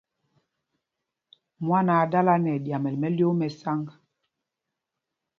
Mwán aa dala nɛ ɛɗyamɛl mɛ́lyōō mɛ́ sǎŋg.